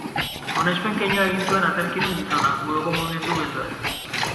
Onespen keinua egin zuen aterkidun gizonak buruko mugimendu geldoez.